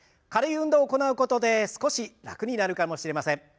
軽い運動を行うことで少し楽になるかもしれません。